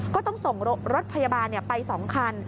ก็ต้องส่งรถพยาบาลไป๒คัน